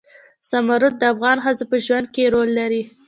زمرد د افغان ښځو په ژوند کې رول لري.